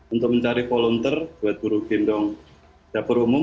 untuk mencari volunteer buat buruh gendong dapur umum